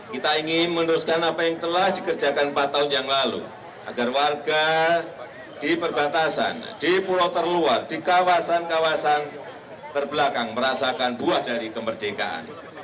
kita ingin meneruskan apa yang telah dikerjakan empat tahun yang lalu agar warga di perbatasan di pulau terluar di kawasan kawasan terbelakang merasakan buah dari kemerdekaan